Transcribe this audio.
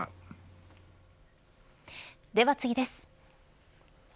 では次です。